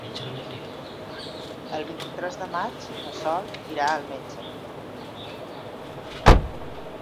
El vint-i-tres de maig na Sol irà al metge.